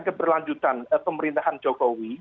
keberlanjutan pemerintahan jokowi